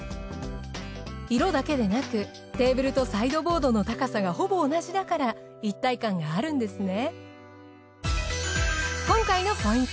色だけでなくテーブルとサイドボードの高さがほぼ同じだから一体感があるんですね。